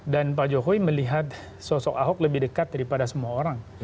dan pak jokowi melihat sosok ahok lebih dekat daripada semua orang